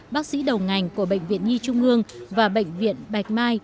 bác sĩ đầu ngành của bệnh viện nhi trung ương và bệnh viện bạch mai